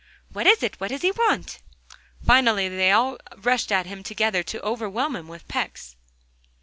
'What is it? what does he want?' Finally they rushed at him all together, to overwhelm him with pecks.